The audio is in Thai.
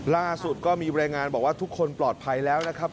ล่าสุดก็มีบรรยายงานบอกว่าทุกคนปลอดภัยแล้วนะครับ